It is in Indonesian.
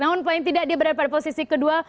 namun paling tidak diberi pada posisi kedua